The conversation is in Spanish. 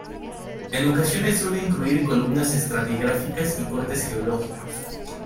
En ocasiones suele incluir columnas estratigráficas y cortes geológicos.